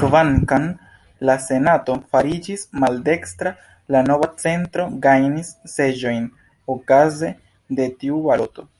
Kvankam la Senato fariĝis maldekstra, la Nova Centro gajnis seĝojn okaze de tiu baloto.